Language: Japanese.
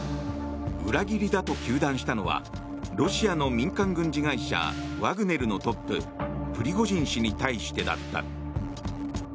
裏切りだと糾弾したのはロシアの民間軍事会社ワグネルのトッププリゴジン氏に対してだった。